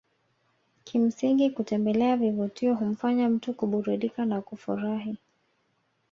Kimsingi kutembelea vivutio humfanya mtu kuburudika na kufurahi